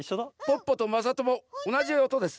ポッポとまさともおなじおとです。